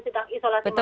sedang isolasi mandiri